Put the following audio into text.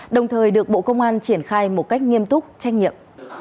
đồng thời được bộ công an triển khai một cách nghiêm túc trách nhiệm